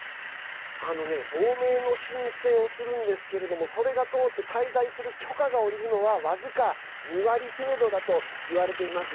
亡命の申請をするんですけどもそれが通って滞在する許可が下りるのは僅か２割程度だといわれています。